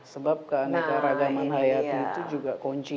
sebab keanekaragaman hayati itu juga kunci